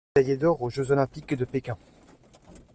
Médaillée d'or aux Jeux olympiques de Pékin.